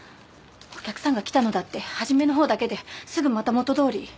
お客さんが来たのだって初めの方だけですぐまた元通り。